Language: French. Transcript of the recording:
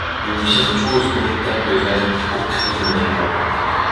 Une virtuose nourrie d'algues vertes opprime le héros.